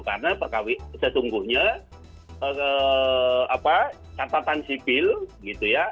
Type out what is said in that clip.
karena sesungguhnya catatan sipil gitu ya